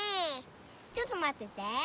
ちょっとまってて。